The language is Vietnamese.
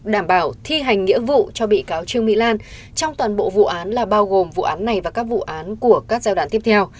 đảm bảo thi hành nghĩa vụ cho bị cáo trương mỹ lan trong toàn bộ vụ án là bao gồm vụ án này và các vụ án của các giai đoạn tiếp theo